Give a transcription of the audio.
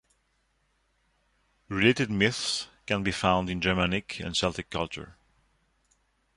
Related myths can be found in Germanic and Celtic culture.